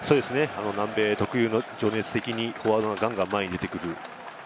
南米特有の情熱的にフォワードがガンガン前に出てくる。